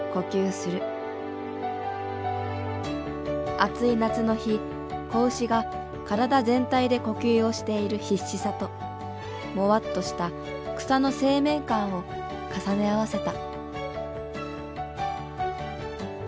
暑い夏の日子牛が体全体で呼吸をしている必死さともわっとした草の生命感を重ね合わせた。